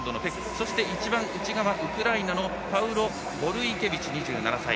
そして一番内側はウクライナのパウロ・ボルイケビチ、２７歳。